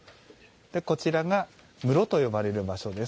こちらが、室と呼ばれる場所です。